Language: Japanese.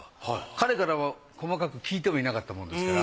彼からは細かく聞いてもいなかったもんですから。